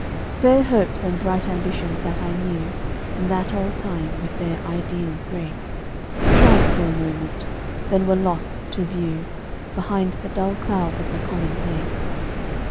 Fair hopes and bright ambitions that I knew In that old time, with their ideal grace, Shone for a moment, then were lost to view Behind the dull clouds of the commonplace.